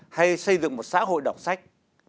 hay xây dựng một xã hội đọc sách